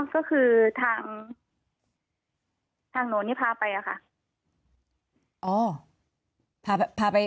ก็คือทางโน้นที่พาไปอะค่ะ